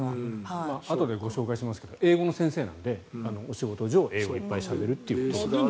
あとでご紹介しますけど英語の先生なのでお仕事上、英語をいっぱいしゃべるということです。